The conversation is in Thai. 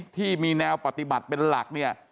ที่มีแนวปฏิบัติเป็นหลักเนี่ย